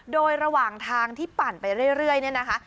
โดยระหว่างทางที่ปั่นไปเรื่อยเนี่ยนะคะ